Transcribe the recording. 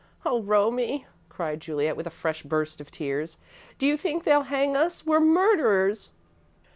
"Oh, Romie," cried Juliet with a fresh burst of tears, "do you think they'll hang us? We're murderers!"